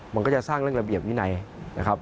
มันก็จะสร้างเรื่องระเบียบวินัยนะครับ